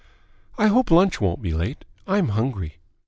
... I hope lunch won't be late. I'm hungry."